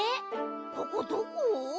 ここどこ？